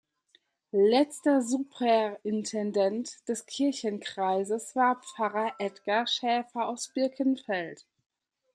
Letzter Superintendent des Kirchenkreises war Pfarrer Edgar Schäfer aus Birkenfeld.